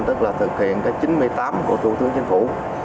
tức là thực hiện cái chín mươi tám của thủ tướng chính phủ